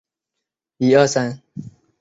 可能一年一代。